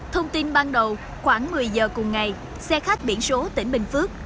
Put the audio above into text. thông tin ban đầu khoảng một mươi giờ cùng ngày xe khách biển số tỉnh bình phước